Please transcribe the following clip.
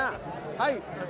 はい。